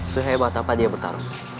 sehebat apa dia bertarung